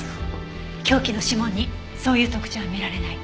凶器の指紋にそういう特徴は見られない。